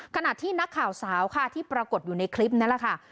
ขณะที่นักข่าวสาวค่ะที่ปรากฏอยู่ในคลิปนั่นแหละค่ะ